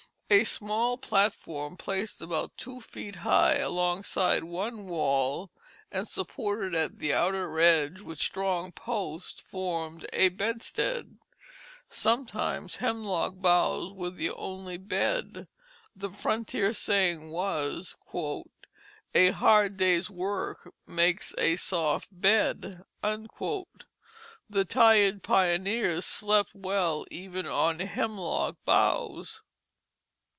A small platform placed about two feet high alongside one wall, and supported at the outer edge with strong posts, formed a bedstead. Sometimes hemlock boughs were the only bed. The frontier saying was, "A hard day's work makes a soft bed." The tired pioneers slept well even on hemlock boughs.